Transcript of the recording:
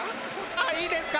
あっいいですか？